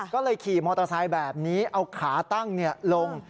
ก็เลยขี่มอเตอร์ไซค์แบบนี้เอาขาตั้งลง